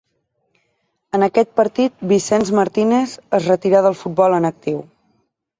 En aquest partit, Vicenç Martínez es retirà del futbol en actiu.